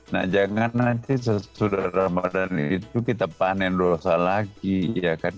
nah jangan nanti sesudah ramadan itu kita panen dosa lagi ya kan